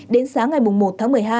đến sáng ngày một tháng một mươi hai